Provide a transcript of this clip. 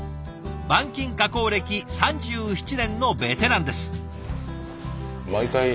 板金加工歴３７年のベテランです。